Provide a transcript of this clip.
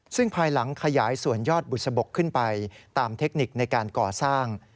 ซึ่งภายหลังขยายส่วนยอดบุษบกขึ้นไปตามเทคนิคในการก่อสร้าง